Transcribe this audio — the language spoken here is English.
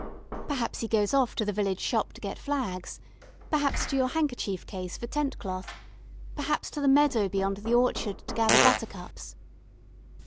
Perhaps he goes off to the village shop to get flags, perhaps to your handkerchief case for tent cloth, perhaps to the meadow beyond the orchard to gather buttercups.